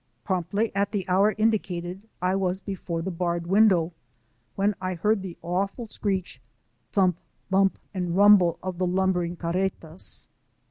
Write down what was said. Promptly at the hour indicated, I was before the barred window, when I heard the awful screech, thump, bump, and rumble of the lumbering carretas.